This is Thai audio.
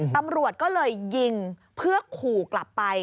ตำรวจก็เลยยิงเพื่อขู่กลับไป